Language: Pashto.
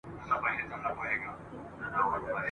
لاره نه را معلومیږي سرګردان یم ..